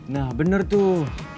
nah bener tuh